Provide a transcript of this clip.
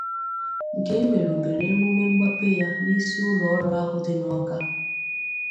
nke e merùbèrè emume mgbape ya n'isi ụlọọrụ ahụ dị n'Awka